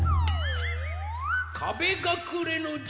かべがくれのじゅつ。